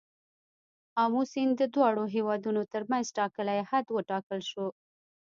آمو سیند د دواړو هیوادونو تر منځ ټاکلی حد وټاکل شو.